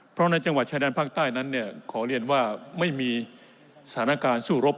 เพราะในจังหวัดชายแดนภาคใต้นั้นเนี่ยขอเรียนว่าไม่มีสถานการณ์สู้รบ